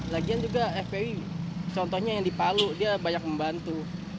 lagian juga fpi contohnya yang di palu dia banyak membantu